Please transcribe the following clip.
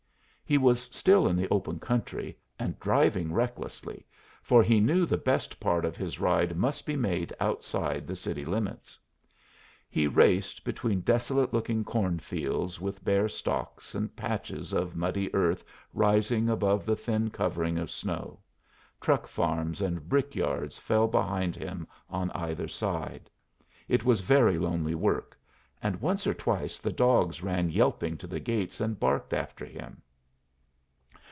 He was still in the open country and driving recklessly, for he knew the best part of his ride must be made outside the city limits. He raced between desolate looking cornfields with bare stalks and patches of muddy earth rising above the thin covering of snow; truck farms and brick yards fell behind him on either side. It was very lonely work, and once or twice the dogs ran yelping to the gates and barked after him.